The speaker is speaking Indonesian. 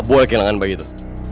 apa buah kehilangan bayi itu